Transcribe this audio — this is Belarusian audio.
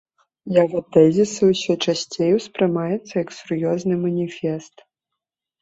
Яго тэзісы ўсё часцей успрымаюцца як сур'ёзны маніфест.